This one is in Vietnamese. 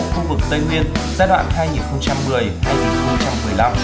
khu vực tây nguyên giai đoạn hai nghìn một mươi hai nghìn một mươi năm